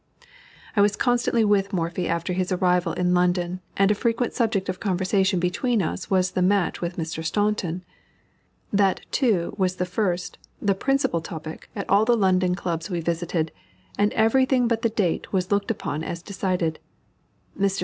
I was constantly with Morphy after his arrival in London, and a frequent subject of conversation between us was the match with Mr. Staunton. That, too, was the first, the principal topic at all the London Clubs we visited, and every thing but the date was looked upon as decided. Mr.